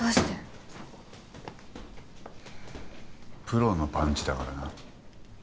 プロのパンチだからな。